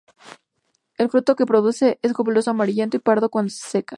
El fruto que produce es globoso, amarillento y pardo cuando se seca.